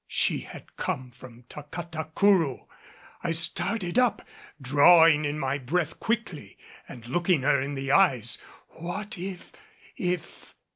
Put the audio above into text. She had come from Tacatacourou! I started up drawing in my breath quickly and looking her in the eyes. What if if